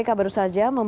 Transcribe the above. dan nyum vr